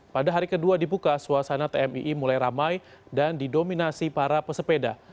pada hari kedua dibuka suasana tmii mulai ramai dan didominasi para pesepeda